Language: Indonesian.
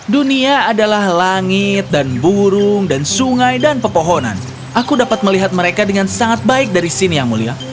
dunia adalah langit dan burung dan sungai dan pepohonan aku dapat melihat mereka dengan sangat baik dari sini yang mulia